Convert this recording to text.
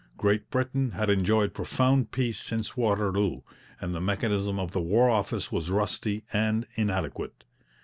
Great Britain had enjoyed profound peace since Waterloo, and the mechanism of the War Office was rusty and inadequate.